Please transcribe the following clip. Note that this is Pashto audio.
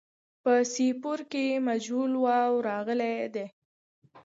په سپور کې مجهول واو راغلی دی.